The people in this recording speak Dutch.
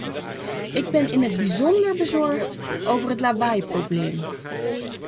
Ik ben in het bijzonder bezorgd over het lawaaiprobleem.